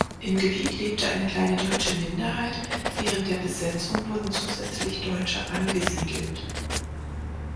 Im Gebiet lebte eine kleine deutsche Minderheit, während der Besetzung wurden zusätzlich Deutsche angesiedelt.